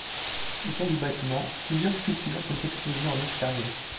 Autour du bâtiment, plusieurs sculptures sont exposées en extérieur.